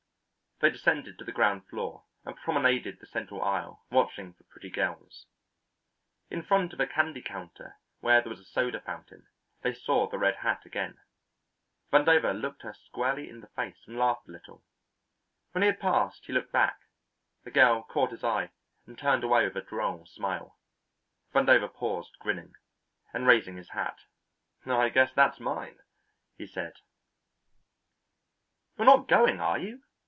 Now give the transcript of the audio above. They descended to the ground floor and promenaded the central aisle watching for pretty girls. In front of a candy counter, where there was a soda fountain, they saw the red hat again. Vandover looked her squarely in the face and laughed a little. When he had passed he looked back; the girl caught his eye and turned away with a droll smile. Vandover paused, grinning, and raising his hat; "I guess that's mine," he said. "You are not going, are you?"